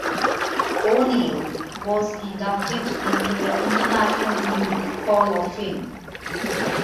O'Neill was inducted into the International League Hall of Fame.